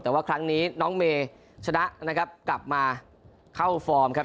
แต่ว่าครั้งนี้น้องเมย์ชนะนะครับกลับมาเข้าฟอร์มครับ